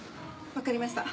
わかりました。